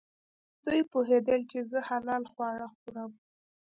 دوی پوهېدل چې زه حلال خواړه خورم.